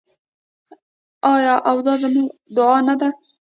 آیا او دا زموږ دعا نه ده؟